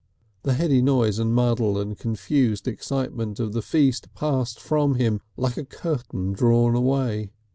The heady noise and muddle and confused excitement of the feast passed from him like a curtain drawn away.